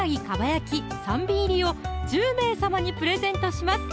蒲焼き３尾入を１０名様にプレゼントします